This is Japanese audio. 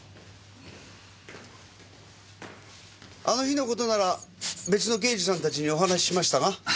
あの日の事なら別の刑事さんたちにお話ししましたが？